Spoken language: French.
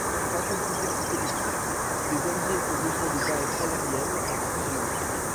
Pour accomplir cet objectif, les Alliés ont besoin de bases aériennes dans la région.